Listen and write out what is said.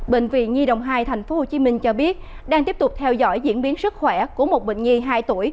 bệnh viện nhi đồng hai tp hcm cho biết đang tiếp tục theo dõi diễn biến sức khỏe của một bệnh nhi hai tuổi